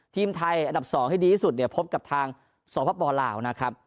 ทีมไทยอันดับ๒ให้ดีที่สุดเนี่ยพบกับทางสปลาวนะครับ